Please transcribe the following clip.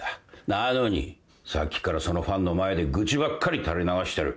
なのにさっきからそのファンの前で愚痴ばっかり垂れ流してる。